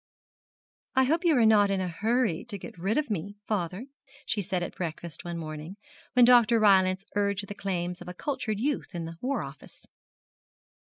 'I hope you are not in a hurry to get rid of me, father,' she said at breakfast one morning, when Dr. Rylance urged the claims of a cultured youth in the War Office.